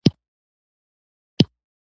احمد لکه کاڼی داسې دی.